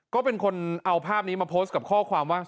ก็เป็นคนเอาภาพนี้มาโพสต์กับข้อความว่า